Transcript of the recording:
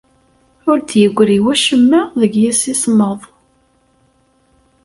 Ur d-yeggri wacemma deg yimsismeḍ.